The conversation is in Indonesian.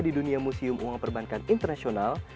di dunia museum uang perbankan internasional